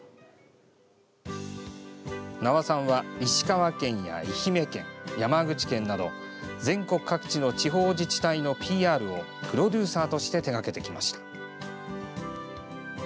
名和さんは石川県や愛媛県、山口県など全国各地の地方自治体のＰＲをプロデューサーとして手がけてきました。